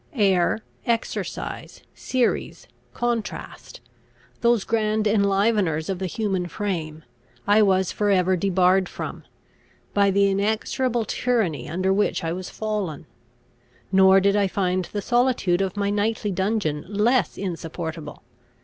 Air, exercise, series, contrast, those grand enliveners of the human frame, I was for ever debarred from, by the inexorable tyranny under which I was fallen. Nor did I find the solitude of my nightly dungeon less insupportable.